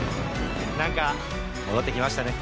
なんか戻ってきましたね。